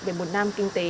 để một năm kinh tế